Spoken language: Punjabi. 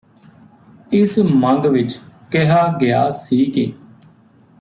ਇਸ ਮੰਗ ਵਿੱਚ ਕਿਹਾ ਗਿਆ ਸੀ ਕਿ